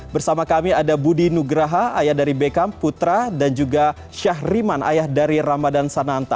bersama kami ada budi nugraha ayah dari beckham putra dan juga syah riman ayah dari ramadhan sananta